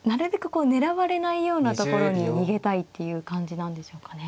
こう狙われないようなところに逃げたいっていう感じなんでしょうかね。